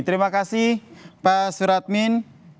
terima kasih pasur admin